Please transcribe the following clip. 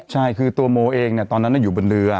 ใช่คือตัวโมเองตอนนั้นอยู่บนเรือ